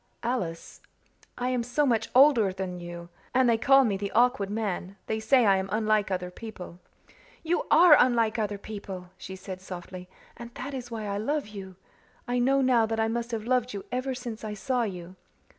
"Alice I am so much older than you and they call me the Awkward Man they say I am unlike other people" "You ARE unlike other people," she said softly, "and that is why I love you. I know now that I must have loved you ever since I saw you."